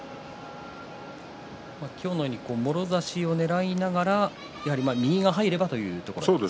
今日のようにもろ差しをねらいながら右が入ればということですね。